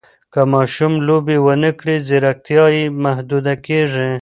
که ماشوم لوبې ونه کړي، ځیرکتیا یې محدوده کېږي.